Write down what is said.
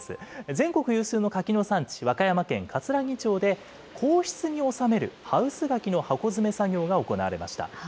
全国有数の柿の産地、和歌山県かつらぎ町で、皇室に納めるハウス柿の箱詰め作業が行われました。